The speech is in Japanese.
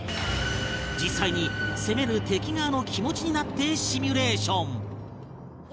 実際に攻める敵側の気持ちになってシミュレーション